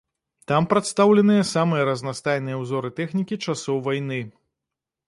Там прадстаўленыя самыя разнастайныя ўзоры тэхнікі часоў вайны.